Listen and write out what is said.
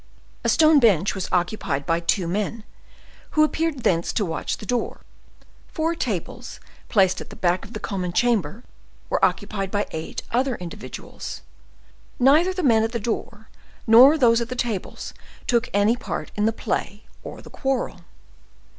A stone bench was occupied by two men, who appeared thence to watch the door; four tables, placed at the back of the common chamber, were occupied by eight other individuals. Neither the men at the door, nor those at the tables took any part in the play or the quarrel.